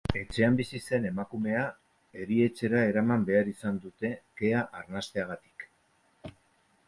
Etxean bizi zen emakumea erietxera eraman behar izan dute kea arnasteagatik.